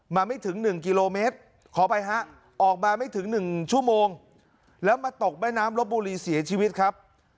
ไม่ถึง๑กิโลเมตรขออภัยฮะออกมาไม่ถึง๑ชั่วโมงแล้วมาตกแม่น้ำลบบุรีเสียชีวิตครับ